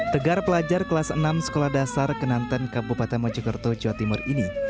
tegar pelajar kelas enam sekolah dasar kenanten kabupaten mojokerto jawa timur ini